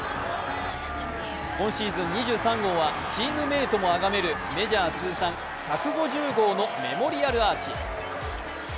今シーズン２３号はチームメイトもあがめるメジャー通算１５０号のメモリアルアーチ。